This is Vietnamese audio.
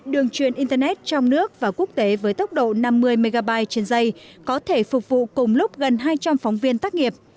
đường truyền internet trong nước và quốc tế với tốc độ năm mươi mb trên dây có thể phục vụ cùng lúc gần hai trăm linh phóng viên tác nghiệp